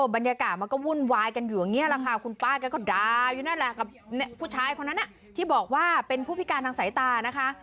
บรรยากาศมันก็วุ่นวายกันอยู่อย่างนี้แหละค่ะคุณป้าแกก็ดาอยู่นั่นแหละกับผู้ชายคนนั้นที่บอกว่าเป็นผู้พิการทางสายตานะคะ